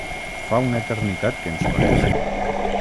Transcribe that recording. Fa una eternitat que ens coneixem.